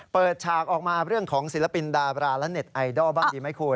ฉากออกมาเรื่องของศิลปินดาบราและเน็ตไอดอลบ้างดีไหมคุณ